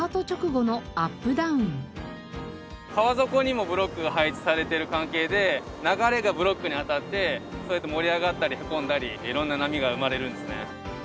川底にもブロックが配置されている関係で流れがブロックに当たってそうやって盛り上がったりへこんだりいろんな波が生まれるんですね。